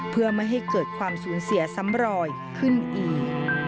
เพื่อไม่ให้เกิดความสูญเสียซ้ำรอยขึ้นอีก